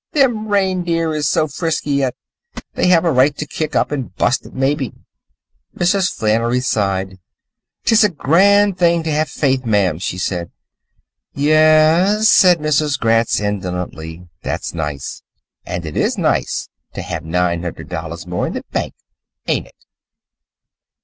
"Them reindeers is so frisky, yet. They have a right to kick up and bust it, mebby." Mrs. Flannery sighed. "'T is a grand thing t' have faith, ma'am," she said. "Y e s," said Mrs. Gratz indolently, "that's nice. And it is nice to have nine hundred dollars more in the bank, ain't it?"